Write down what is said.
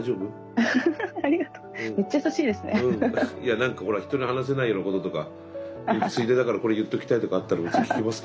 いや何かほら人に話せないようなこととかついでだからこれ言っときたいとかあったら聞きますけど大丈夫？